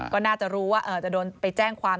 ก็น่าจะรู้ว่าจะโดนไปแจ้งความ